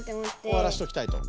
おわらしときたいと。